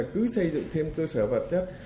cứ xây dựng thêm cơ sở vật chất